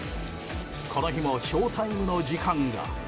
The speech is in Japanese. この日もショウタイムの時間が。